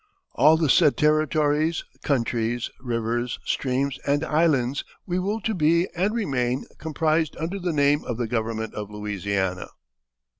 All the said territories, countries, rivers, streams, and islands we will to be and remain comprised under the name of the government of Louisiana."